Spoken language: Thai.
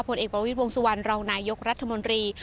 ผลเอกประวิทย์วงสุวรรณรองนายกรัฐมนตรี